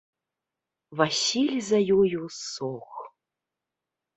Васіль за ёю сох.